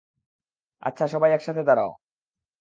আচ্ছা, সবাই একসাথে দাঁড়াও।